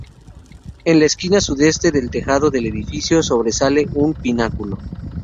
En la esquina sudeste del tejado del edificio, sobresale un pináculo.